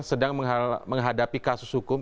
sedang menghadapi kasus hukum